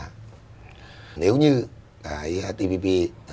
nếu như tpp được hiện thực hóa thì họ sẽ lấy được cái lợi thế của tpp hàng tỷ đô la